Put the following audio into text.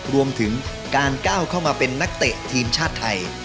รวมถึงการเข้าสู่สาปนักตีทีมชาติไทย